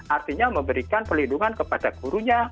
artinya memberikan pelindungan kepada gurunya